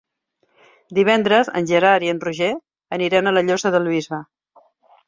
Divendres en Gerard i en Roger aniran a la Llosa del Bisbe.